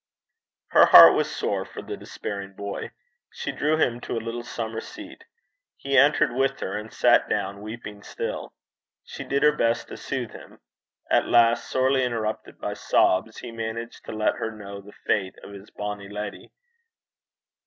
Her heart was sore for the despairing boy. She drew him to a little summer seat. He entered with her, and sat down, weeping still. She did her best to soothe him. At last, sorely interrupted by sobs, he managed to let her know the fate of his 'bonnie leddy.'